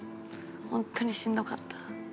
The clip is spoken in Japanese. ホントにしんどかった。